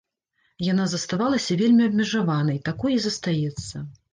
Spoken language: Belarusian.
Яна заставалася вельмі абмежаванай, такой і застаецца.